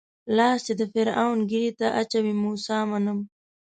لاس چې د فرعون ږيرې ته اچوي موسی منم.